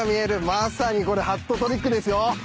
まさにこれハットトリックですよ。